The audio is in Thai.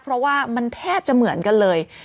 เพราะว่ามันแทบจะเหมือนกันเลย